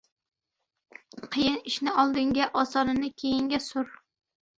• Qiyin ishni oldinga, osonini keyinga sur.